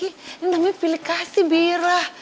ini namanya pilih kasih birah